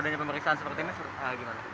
adanya pemeriksaan seperti ini gimana